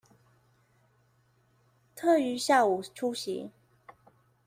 特於下午出席